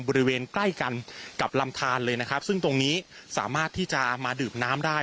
บริเวณใกล้กันกับลำทานเลยนะครับซึ่งตรงนี้สามารถที่จะมาดื่มน้ำได้